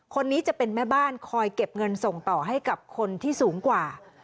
คนนี้จะเป็นแม่บ้านคอยเก็บเงินส่งต่อให้กับคนที่สูงกว่า